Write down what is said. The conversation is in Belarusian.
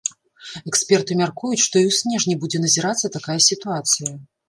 Эксперты мяркуюць, што і ў снежні будзе назірацца такая сітуацыя.